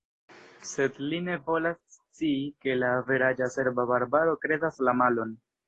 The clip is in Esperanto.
Sed li ne volas scii, ke la averaĝa serba barbaro kredas la malon.